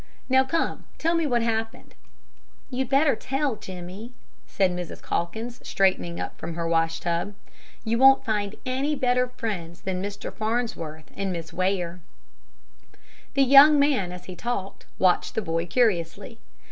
Now come, tell me what happened." "You'd better tell, Jimmie," said Mrs. Calkins, straightening up from her wash tub. "You won't find any better friends than Mr. Farnsworth and Miss Ware." The young man, as he talked, watched the boy curiously.